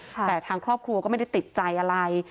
แต่ทางครอบครัวก็ไม่ได้ติดใจอะไร